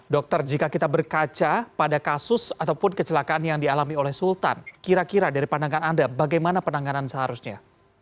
dokter jika kita berkaca pada kasus ataupun kecelakaan yang dialami oleh sultan kira kira dari pandangan anda bagaimana penanganan seharusnya